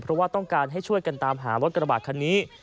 เพราะว่าต้องการให้ช่วยกันตามหารถกระบาดคันนี้